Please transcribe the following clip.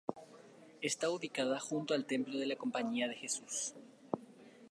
Está ubicada junto al templo de la Compañía de Jesús.